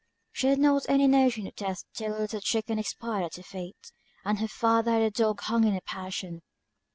She had not any notion of death till a little chicken expired at her feet; and her father had a dog hung in a passion.